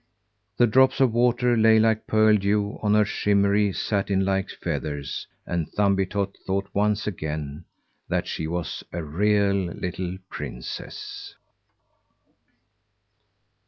The drops of water lay like pearl dew on her shimmery satin like feathers, and Thumbietot thought once again that she was a real little princess.